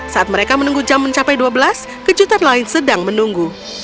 saat mereka menunggu jam mencapai dua belas kejutan lain sedang menunggu